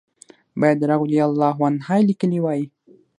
باید رضی الله عنهما یې لیکلي وای.